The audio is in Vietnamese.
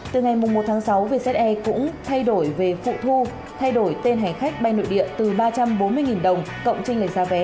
từ ngày một tháng sáu vietjet air cũng thay đổi về phụ thu thay đổi tên hành khách bay nội địa từ ba trăm bốn mươi đồng cộng tranh lệch giá vé